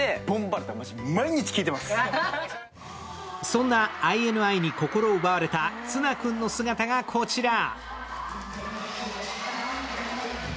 そんなＩＮＩに心を奪われた綱君の姿がこちら。